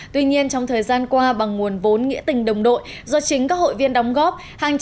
tuy nhiên trong thời gian qua bằng nguồn vốn nghĩa tình đồng đội do chính các hội viên đóng góp